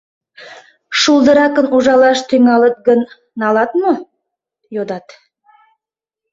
— Шулдыракын ужалаш тӱҥалыт гын, налат мо? — йодат.